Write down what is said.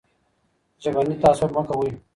ژبني تعصب مه کوئ.